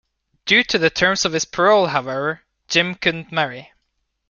Due to the terms of his parole, however, Jim couldn't marry.